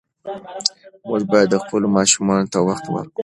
موږ باید خپلو ماشومانو ته وخت ورکړو.